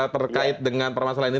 terkait dengan permasalah ini